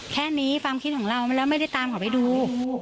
แค่นี้ความคิดของเราแล้วไม่ได้ตามเขาไปดู